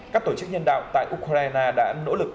các tổ chức nhân đạo tại ukraine đã nỗ lực